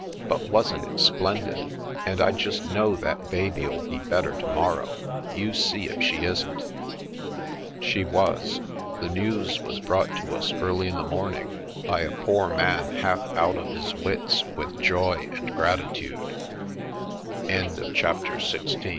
But wasn't it splen did f And I just know that baby '11 be better to morrow. You see if she isn't." She was. The news was brought to us early in the mcMtiing by a poor man half out of his wits with joy and gr